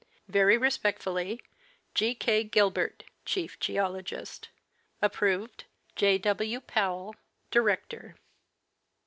Very respectfully, G. K. Gilbert, Chief Geologist. Approved, < J. W. Powell, Director.